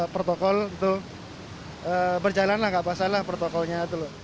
protokol itu berjalan lah nggak pasang lah protokolnya